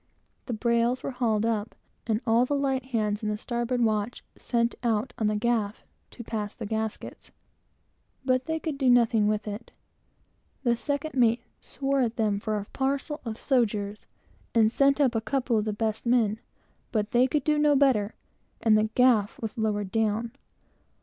The brails were hauled up, and all the light hands in the starboard watch sent out on the gaff to pass the gaskets; but they could do nothing with it. The second mate swore at them for a parcel of "sogers," and sent up a couple of the best men; but they could do no better, and the gaff was lowered down.